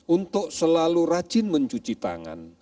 untuk selalu rajin mencuci tangan